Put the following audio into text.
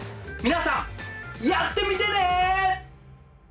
皆さんやってみてね！